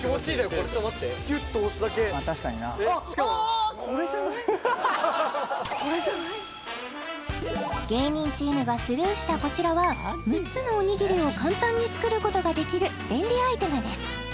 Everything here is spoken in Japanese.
これ・ギュッと押すだけ芸人チームがスルーしたこちらは６つのおにぎりを簡単に作ることができる便利アイテムです